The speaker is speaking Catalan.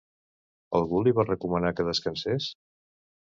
Algú li va recomanar que descansés?